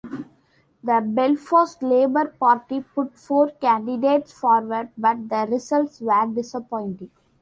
The Belfast Labour Party put four candidates forward but the results were disappointing.